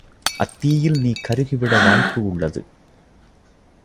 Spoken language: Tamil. அத்தீயில் நீ கருகிவிட வாய்ப்பு உள்ளது.